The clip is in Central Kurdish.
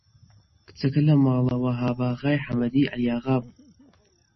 کچەکە لە ماڵە وەهاباغای حەمەدی عەلیاغا بوو